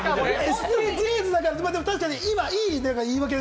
ＳＤＧｓって確かに今、いい言い訳が。